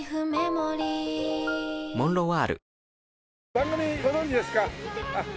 番組ご存じですか？